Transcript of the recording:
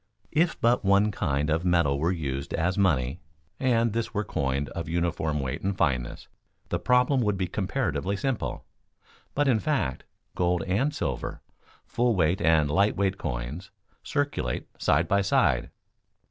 _ If but one kind of metal were used as money, and this were coined of uniform weight and fineness, the problem would be comparatively simple. But in fact gold and silver, full weight and light weight coins, circulate side by side.